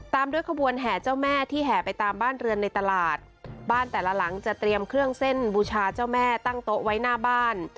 ตามด้วยขบวนแห่เจ้าแม่ที่แห่ไปตามบ้านเรือนในตลาดบ้านแต่ละหลังจะเตรียมเครื่องเส้นบูชาเจ้าแม่ตั้งโต๊ะไว้หน้าบ้าน